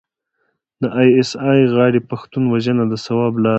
د ای اس ای غاړې پښتون وژنه د ثواب لاره وبلله.